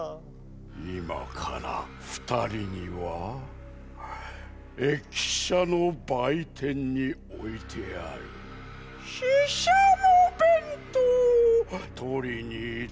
いまからふたりには駅しゃのばいてんにおいてあるししゃもべんとうをとりにいってもらうざんす。